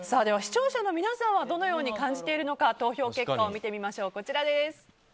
視聴者の皆さんはどのように感じているのか投票結果を見てみましょう。